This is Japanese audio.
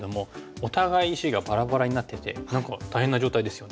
お互い石がバラバラになってて何か大変な状態ですよね。